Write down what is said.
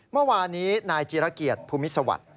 เมื่อวานี้นายจิราเกียร์ภูมิสวรรค์